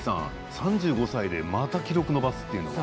３５歳でまた記録を伸ばすっていうのは。